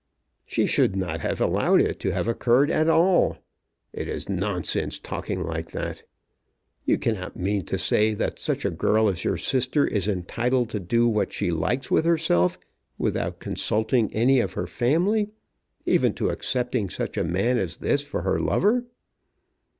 "She should not have allowed it to have occurred at all. It is nonsense talking like that. You cannot mean to say that such a girl as your sister is entitled to do what she likes with herself without consulting any of her family, even to accepting such a man as this for her lover."